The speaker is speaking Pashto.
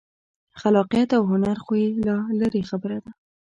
خلاقیت او هنر خو یې لا لرې خبره ده.